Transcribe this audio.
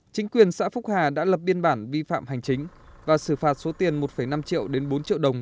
chính quyền xã phúc hà đã lập biên bản vi phạm hành chính và xử phạt số tiền một năm triệu đến bốn triệu đồng